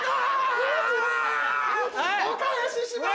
お返しします！